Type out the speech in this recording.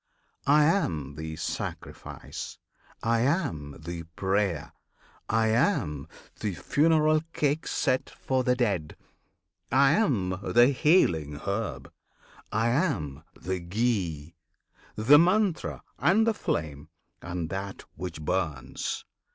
I am the Sacrifice! I am the Prayer! I am the Funeral Cake set for the dead! I am the healing herb! I am the ghee, The Mantra, and the flame, and that which burns!